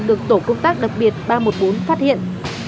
được tổ công tác đặc biệt ba trăm một mươi bốn phát hiện